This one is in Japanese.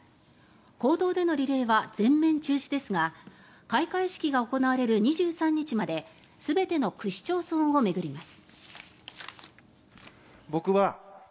公道でのリレーは全面中止ですが開会式が行われる２３日まで全ての区市町村を巡ります。